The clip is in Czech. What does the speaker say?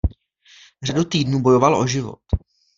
Řadu týdnů bojoval o život.